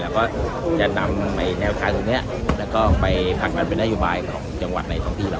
แล้วก็จะนำใหม่แนวค้าตรงเนี้ยแล้วก็ไปผลักดันเป็นได้อยู่บายของจังหวัดในท้องที่เรา